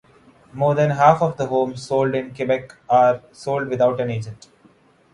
More than half of the homes sold in Quebec are sold without an agent.